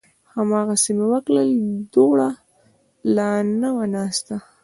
هماغسې مې وکړل، دوړه لا نه وه ناسته